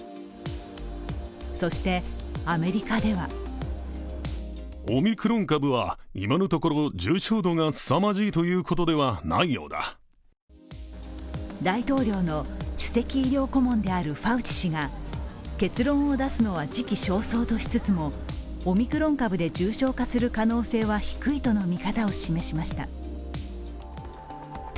そして、アメリカでは大統領の首席医療顧問であるファウチ氏が結論を出すのは時期尚早としつつもオミクロン株で重症化する可能性は低いとの見方を示しました。